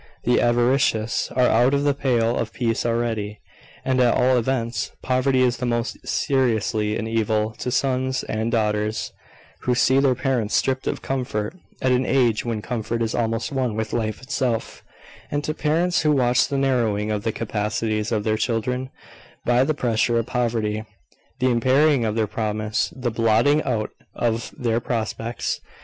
The avaricious are out of the pale of peace already, and at all events. Poverty is most seriously an evil to sons and daughters, who see their parents stripped of comfort, at an age when comfort is almost one with life itself: and to parents who watch the narrowing of the capacities of their children by the pressure of poverty, the impairing of their promise, the blotting out of their prospects.